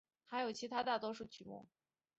还有其他大多数曲目。